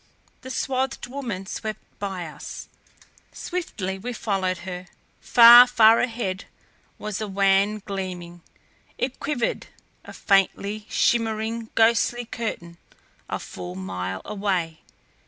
The swathed woman swept by us. Swiftly we followed her. Far, far ahead was a wan gleaming. It quivered, a faintly shimmering, ghostly curtain, a full mile away.